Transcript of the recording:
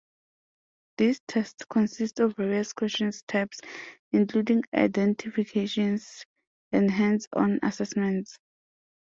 These tests consist of various question types, including identifications and hands-on assessments.